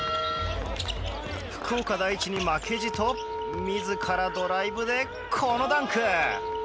福岡第一に負けじと自らドライブで、このダンク！